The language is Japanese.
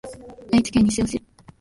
愛知県西尾市